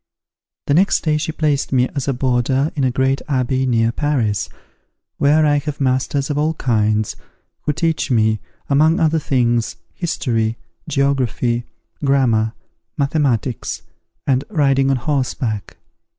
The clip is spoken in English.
The next day she placed me as a boarder in a great abbey near Paris, where I have masters of all kinds, who teach me, among other things, history, geography, grammar, mathematics, and riding on horseback.